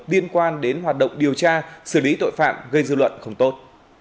liên quan đến hoạt động điều tra xử lý tội phạm gây dư luận không tốt